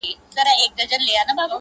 حقيقت ورو ورو ورکيږي دلته,